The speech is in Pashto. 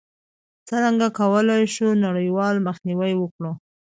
څرنګه کولای شو نړیوال مخنیوی وکړو؟